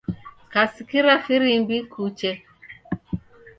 Kasikira firimbi kuche.